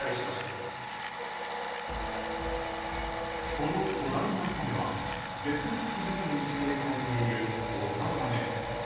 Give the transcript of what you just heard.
この巨大なカメは絶滅危惧種に指定されているオサガメ。